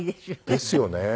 ですよね。